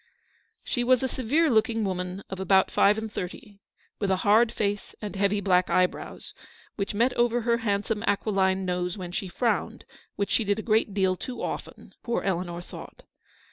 She was a severe looking woman of about five and thirty, with a hard face, and heavy black eyebrows, which met over her handsome aquiline nose when she frowned, which she did a great deal too often, poor Eleanor thought.